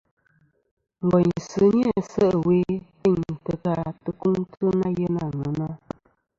Ngòynsɨ ni-æ se' ɨwe tèyn tɨ ka tɨkuŋtɨ na yeyn àŋena.